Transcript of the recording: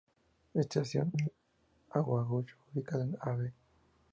Estación Ayacucho: Ubicada en Av.